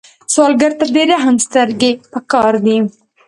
سوالګر ته د رحم سترګې پکار دي